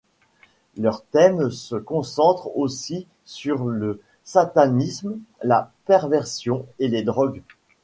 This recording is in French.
Leurs thèmes se concentrent aussi sur le satanisme, la perversion, et les drogues.